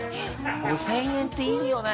５０００円っていいよね！